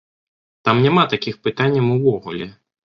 Там няма такіх пытанняў увогуле.